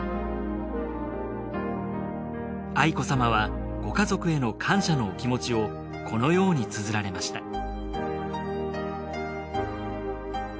愛子さまはご家族への感謝のお気持ちをこのように綴られました